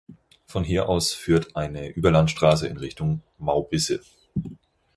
Von hier aus führt eine Überlandstraße in Richtung Maubisse.